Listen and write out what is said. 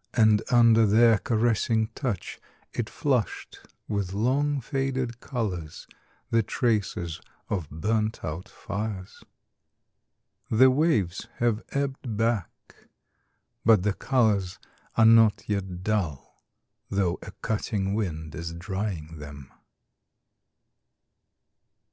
. and under their caressing touch it flushed with long faded colours, the traces of burnt out fires ! The waves have ebbed back ... but the colours are not yet dull, though a cutting wind is drying them.